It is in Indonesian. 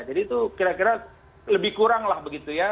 jadi itu kira kira lebih kurang lah begitu ya